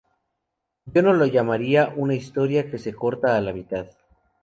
Yo no lo llamaría una historia que se corta a la mitad.